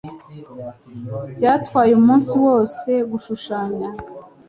Byatwaye umunsi wose gushushanya.